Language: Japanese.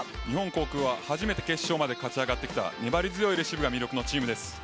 日本航空は初めて決勝まで勝ち上がってきた粘り強いレシーブが魅力のチームです。